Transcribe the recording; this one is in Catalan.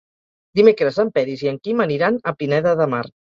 Dimecres en Peris i en Quim aniran a Pineda de Mar.